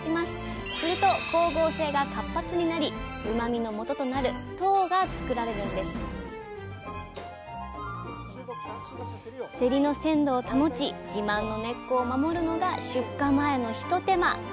すると光合成が活発になりうまみのもととなる糖が作られるんですせりの鮮度を保ち自慢の根っこを守るのが出荷前の一手間。